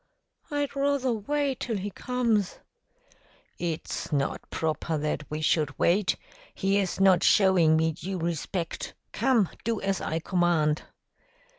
"I'd ruther wait till he comes." "It's not proper that we should wait. He is not showing me due respect. Come, do as I command."